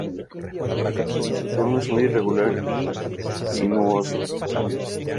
Su contorno es muy irregular y sinuoso.